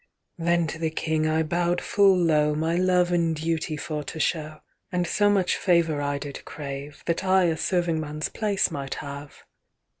XThen to the King I bow'd full low, My love and duty for to show; And so much favour I did crave, That I a serving man's place might have.